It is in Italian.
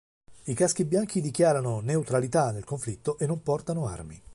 I caschi bianchi dichiarano neutralità nel conflitto e non portano armi.